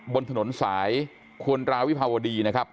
บนถนนสายควรราวิภาวดีนะครับ